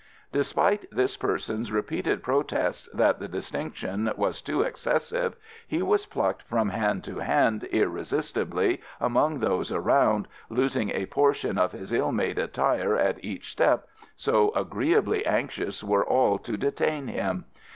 Despite this person's repeated protests that the distinction was too excessive, he was plucked from hand to hand irresistibly among those around, losing a portion of his ill made attire at each step, so agreeably anxious were all to detain him.